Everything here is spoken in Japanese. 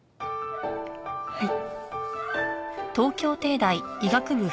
はい。